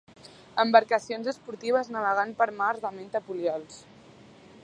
Embarcacions esportives navegant per mars de menta poliols.